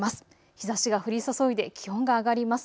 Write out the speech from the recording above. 日ざしが降り注いで気温が上がります。